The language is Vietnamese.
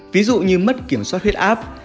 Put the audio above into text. ví dụ như mất kiểm soát huyết áp